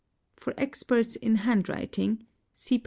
For Experts in Handwriting, (see p.